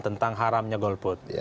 tentang haramnya golput